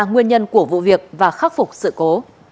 nguyên nhân của vụ việc và khắc phục sự cố